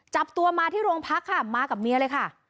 จับตัวมาที่โรงพักค่ะมากับเมียเลยค่ะ